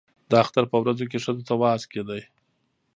د اختر په ورځو کې ښځو ته وعظ کېده.